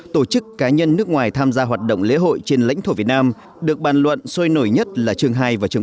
tổ chức cá nhân nước ngoài tham gia hoạt động lễ hội trên lãnh thổ việt nam được bàn luận sôi nổi nhất là chương hai và trường